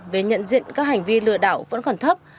về nhận diện các hành vi lừa đảo vẫn còn thấp